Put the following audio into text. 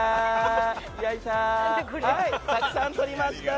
たくさん撮りました。